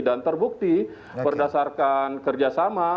dan terbukti berdasarkan kerjasama